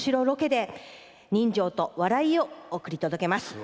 ロケで人情と笑いを送り届けます。